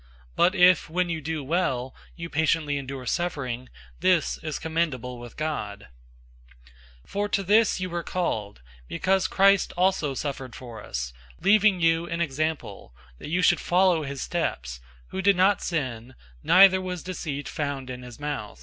But if, when you do well, you patiently endure suffering, this is commendable with God. 002:021 For to this you were called, because Christ also suffered for us, leaving you{TR reads "us" instead of "you"} an example, that you should follow his steps, 002:022 who did not sin, "neither was deceit found in his mouth."